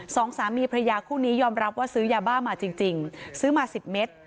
สองสามีพระยาคู่นี้ยอมรับว่าซื้อยาบ้ามาจริงซื้อมาสิบเมตร